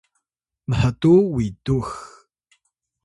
mhtuw witux